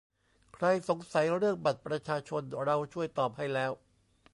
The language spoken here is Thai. ใครสงสัยเรื่อง บัตรประชาชน เราช่วยตอบให้แล้ว